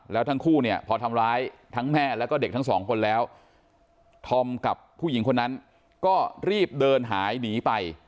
แล้วทั้งคู่เนี่ยพอทำร้ายทั้งแม่แล้วก็เด็กทั้งสองคนแล้วธอมกับผู้หญิงคนนั้นก็รีบเดินหายหนีไป